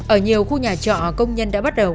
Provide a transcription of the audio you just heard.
ở nhiều khu nhà trọ công nhân đã bắt đầu